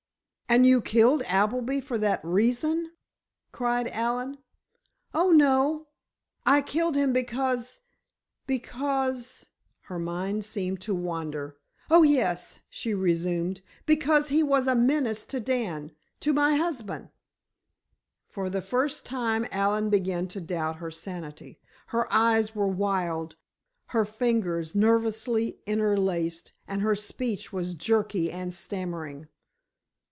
"And you killed Appleby for that reason?" cried Allen. "Oh, no—I killed him because—because"—her mind seemed to wander—"oh, yes," she resumed, "because he was a menace to Dan. To my husband." For the first time Allen began to doubt her sanity. Her eyes were wild, her fingers nervously interlaced and her speech was jerky and stammering.